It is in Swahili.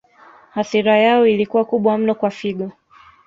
Hasira yao ilikuwa kubwa mno kwa Figo